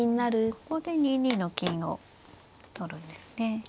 ここで２二の金を取るんですね。